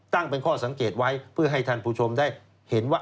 ตั้งเป็นข้อสังเกตไว้เพื่อให้ท่านผู้ชมได้เห็นว่า